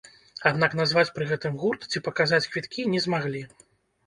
Аднак назваць пры гэтым гурт ці паказаць квіткі, не змаглі.